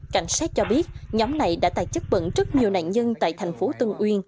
cảnh sát cho biết nhóm này đã tài chất bẩn rất nhiều nạn nhân tại tp tân uyên